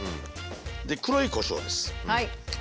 で黒いこしょうです。